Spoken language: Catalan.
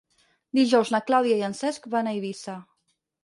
Dijous na Clàudia i en Cesc van a Eivissa.